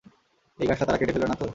এই গাছটা তারা কেটে ফেলেবে না তো?